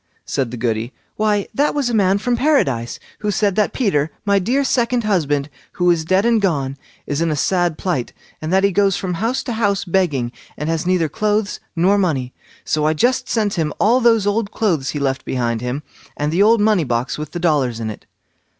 said the Goody; "why, that was a man from Paradise, who said that Peter, my dear second husband, who is dead and gone, is in a sad plight, and that he goes from house to house begging, and has neither clothes nor money; so I just sent him all those old clothes he left behind him, and the old money box with the dollars in it."